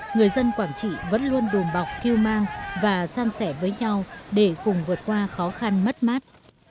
người dân quảng trị vẫn luôn đùm bọc kêu mang và san sẻ với nhau để cùng vượt qua khó khăn mất mát